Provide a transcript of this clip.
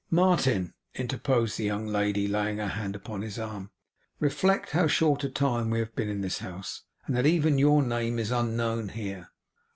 'Martin,' interposed the young lady, laying her hand upon his arm; 'reflect how short a time we have been in this house, and that even your name is unknown here.